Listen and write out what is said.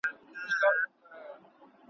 د ویر او ماتم په دې سختو شېبو کي هم `